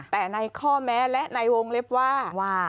แต่ในข้อแม้และในวงเล็บว่าว่า